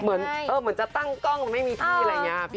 เหมือนจะตั้งกล้องไม่มีที่